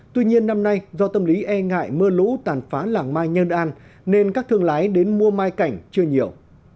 tuy nhiên năm nay do tâm lý e ngại mưa lũ tàn phá làng mai nhơn an nên các thương lái đến mua mai cảnh chưa nhiều